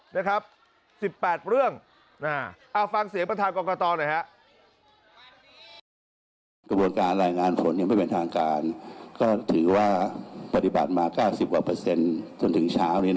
นะครับ๑๘เรื่อง